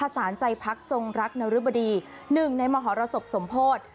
สารใจพักจงรักนรึบดี๑ในมหรสบสมโพธิ